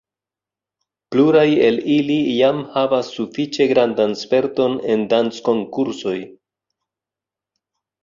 Pluraj el ili jam havas sufiĉe grandan sperton en danckonkursoj.